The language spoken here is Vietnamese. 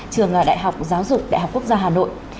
trường đại học giáo dục đại học quốc gia hà nội